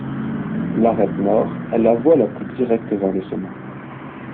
L'arête nord est la voie la plus directe vers le sommet.